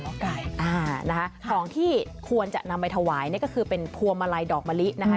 ไก่อ่านะคะของที่ควรจะนำไปถวายนี่ก็คือเป็นพวงมาลัยดอกมะลินะคะ